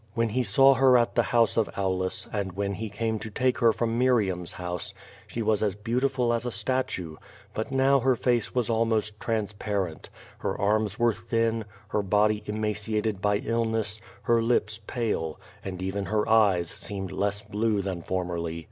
WTien he saw her at the house of Aulus, and when he came to take her from Miriam's house, she was as beautiful as a statue, but now her face was almost transparent, her arms were thin, her body emaciated by illness, her lips pale, and even her eyes seemed less blue than formerly.